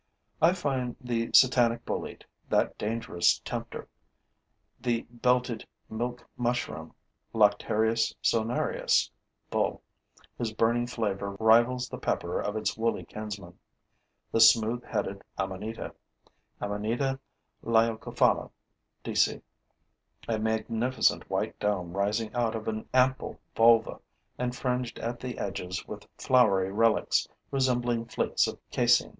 I find the Satanic bolete, that dangerous tempter; the belted milk mushroom (Lactarius zonarius, BULL.), whose burning flavor rivals the pepper of its woolly kinsman; the smooth headed amanita (Amanita leiocophala, D. C.), a magnificent white dome rising out of an ample volva and fringed at the edges with floury relics resembling flakes of casein.